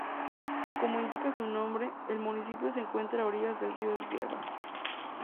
Como indica su nombre, el municipio se encuentra a orillas del río Esgueva.